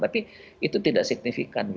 tapi itu tidak signifikan